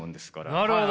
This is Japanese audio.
なるほど。